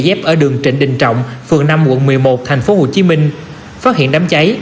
dép ở đường trịnh đình trọng phường năm quận một mươi một thành phố hồ chí minh phát hiện đám cháy